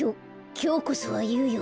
きょうこそはいうよ。